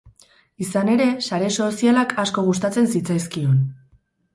Izan ere, sare sozialak asko gustatzen zitzaizkion.